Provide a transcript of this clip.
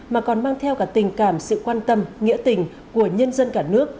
mà còn mang theo cả tình cảm sự quan tâm nghĩa tình của nhân dân cả nước